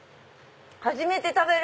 初めて食べる！